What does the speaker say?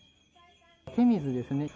手水ですね。